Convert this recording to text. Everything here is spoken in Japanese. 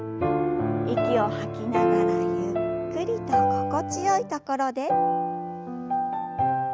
息を吐きながらゆっくりと心地よい所で。